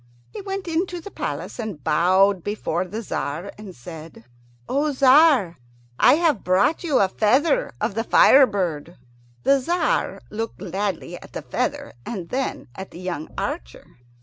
He went into the palace, and bowed before the Tzar and said, "O Tzar, I have brought you a feather of the fire bird." The Tzar looked gladly at the feather, and then at the young archer.